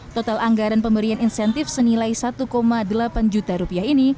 total anggaran pemberian insentif senilai satu delapan juta rupiah ini